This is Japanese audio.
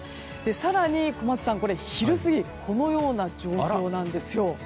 更に小松さん、昼過ぎはこのような状況なんです。